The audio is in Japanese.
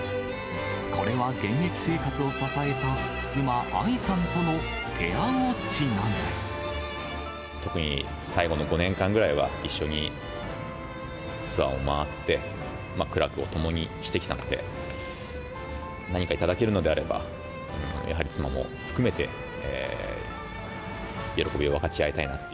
これは現役生活を支えた妻、特に最後の５年間ぐらいは、一緒にツアーを回って、苦楽を共にしてきたので、何か頂けるのであれば、やはり妻も含めて喜びを分かち合いたいなって。